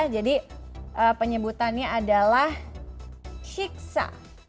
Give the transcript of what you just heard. jadi penyebutannya adalah siksa